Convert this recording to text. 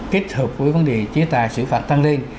kết hợp với vấn đề chia tài xử phạm tăng lên